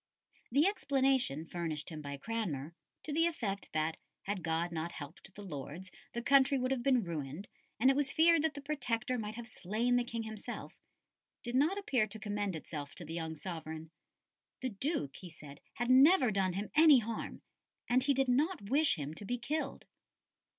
The explanation furnished him by Cranmer to the effect that, had God not helped the Lords, the country would have been ruined, and it was feared that the Protector might have slain the King himself did not appear to commend itself to the young sovereign. The Duke, he said, had never done him any harm, and he did not wish him to be killed.